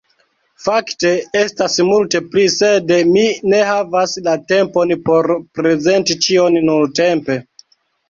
Fakte, estas multe pli sed mi ne havas la tempon por prezenti ĉion nuntempe